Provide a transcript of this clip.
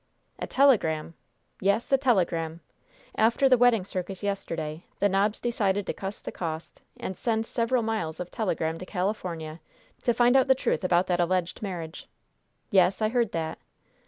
"A telegram!" "Yes, a telegram. After the wedding circus yesterday, the nobs decided to cuss the cost and send several miles of telegram to California, to find out the truth about that alleged marriage." "Yes, I heard that."